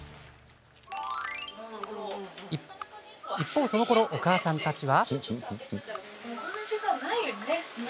一方そのころ、お母さんたちは。